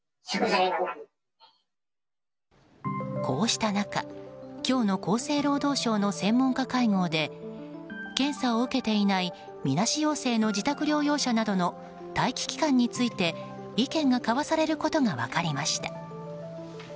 こうした中今日の厚生労働省の専門家会合で検査を受けていないみなし陽性の自宅療養者などの待機期間について意見が交わされることが分かりました。